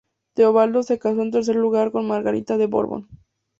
Teobaldo se casó en tercer lugar con Margarita de Borbón.